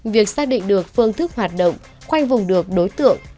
việc xác định được phương thức hoạt động khoanh vùng được đối tượng